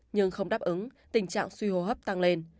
nhưng không đáp ứng tình trạng suy hô hấp tăng lên